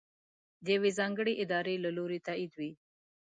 د یوې ځانګړې ادارې له لورې تائید وي.